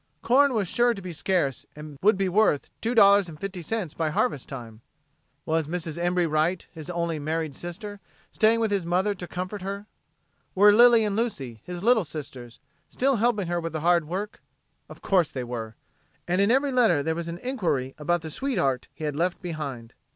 Corn was sure to be scarce and would be worth $2.50 by harvest time! Was Mrs. Embry Wright, his only married sister, staying with his mother to comfort her? Were Lilly and Lucy, his little sisters, still helping her with the hard work of course they were! And in every letter there was an inquiry about the sweetheart he had left behind.